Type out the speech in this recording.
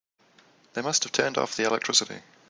They must have turned off the electricity.